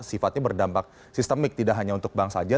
sifatnya berdampak sistemik tidak hanya untuk bank saja